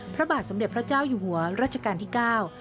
พระบาทสมเด็จพระเจ้าอยู่หัวรัชกาลที่เก้า